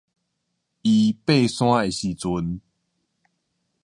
伊 𬦰 山的時陣